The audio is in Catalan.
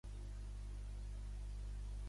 Es diu Walid: ve doble, a, ela, i, de.